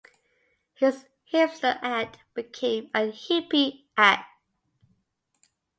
His hipster act became a hippie act.